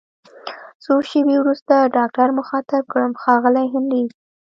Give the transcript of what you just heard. څو شیبې وروسته ډاکټر مخاطب کړم: ښاغلی هنري!